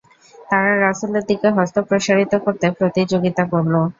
তারা রাসূলের দিকে হস্ত প্রসারিত করতে প্রতিযোগিতা করল।